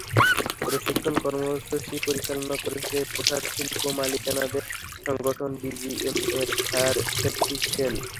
প্রশিক্ষণ কর্মসূচি পরিচালনা করেছে পোশাকশিল্প মালিকদের সংগঠন বিজিএমইএর ফায়ার সেফটি সেল।